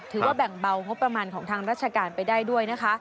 ว่าแบ่งเบางบประมาณของทางราชการไปได้ด้วยนะคะ